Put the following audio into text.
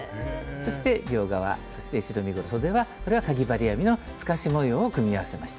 そして両側そして後ろ身ごろそではこれはかぎ針編みの透かし模様を組み合わせました。